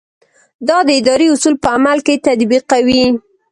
دا د ادارې اصول په عمل کې تطبیقوي.